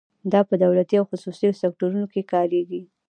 دا په دولتي او خصوصي سکتورونو کې کاریږي.